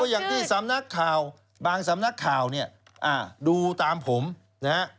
อย่างที่สำนักข่าวบางสำนักข่าวเนี่ยดูตามผมนะฮะ